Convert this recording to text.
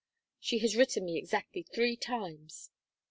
She has written me exactly three times.